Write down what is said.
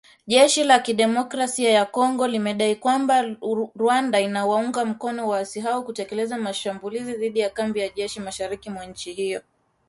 Jeshi la Jamuhuri ya Kidemokrasia ya Kongo limedai kwamba Rwanda inawaunga mkono waasi hao kutekeleza mashambulizi dhidi ya kambi za jeshi mashariki mwa nchi hiyo